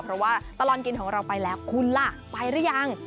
เพราะว่าตลอดกินของเราไปแล้วคุณล่ะไปหรือยัง